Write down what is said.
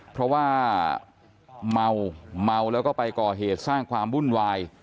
เพราะว่าเมาเมาแล้วก็ไปก่อเหตุสร้างความวุ่นวาย